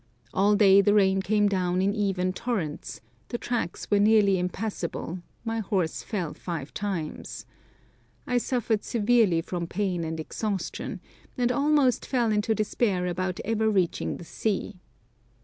All day the rain came down in even torrents, the tracks were nearly impassable, my horse fell five times, I suffered severely from pain and exhaustion, and almost fell into despair about ever reaching the sea.